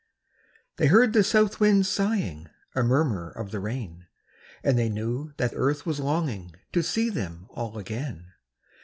They heard the South wind sighing A murmur of the rain; And they knew that Earth was longing To see them all again.